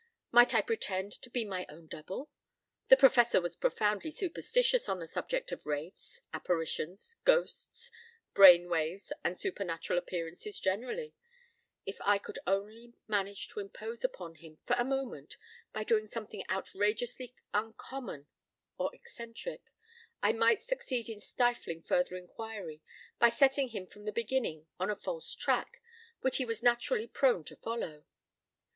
Might I pretend to be my own double? The Professor was profoundly superstitious on the subject of wraiths, apparitions, ghosts, brain waves, and supernatural appearances generally; if I could only manage to impose upon him for a moment by doing something outrageously uncommon or eccentric, I might succeed in stifling further inquiry by setting him from the beginning on a false track which he was naturally prone to follow.